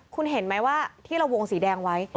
คุณเห็นไหมว่าที่เราวงสีแดงไว้